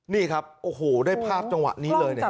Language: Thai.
นี่ครับโอ้โหได้ภาพจังหวะนี้เลยเนี่ย